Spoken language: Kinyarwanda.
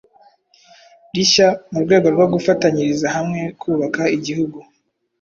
rishya mu rwego rwo gufatanyiriza hamwe kubaka igihugu,